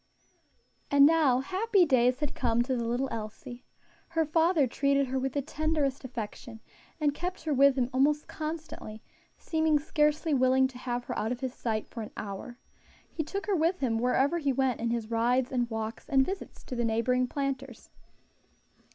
_ And now happy days had come to the little Elsie. Her father treated her with the tenderest affection, and kept her with him almost constantly, seeming scarcely willing to have her out of his sight for an hour. He took her with him wherever he went in his rides and walks and visits to the neighboring planters.